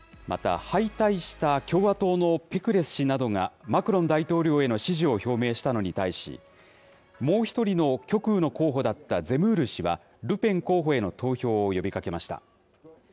また、敗退した共和党のペクレス氏などがマクロン大統領への支持を表明したのに対し、もう１人の極右の候補だったゼムール氏は、ルペン候補への投票を呼びかけました。